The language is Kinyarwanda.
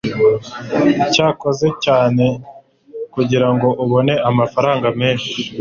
Yakoze cyane kugirango abone amafaranga menshi.